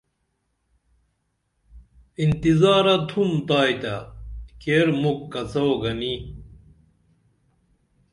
انتظارہ تُھم تائیتیہ کیر مُکھ کڅئو گنی